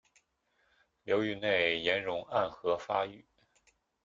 流域内岩溶暗河发育。